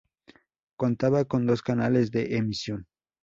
Contaba con dos canales de emisión.